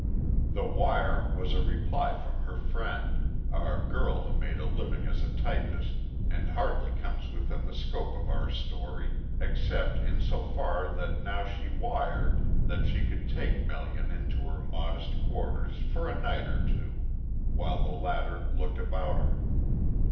The wire was a reply from her friend, a girl who made a living as a typist, and hardly comes within the scope of our story except in so far that now she wired that she could take Melian into her modest quarters for a night or two while the latter "looked about her."